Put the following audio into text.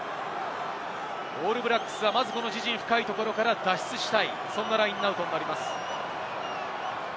オールブラックスは自陣深いところから脱出したいラインアウトになります。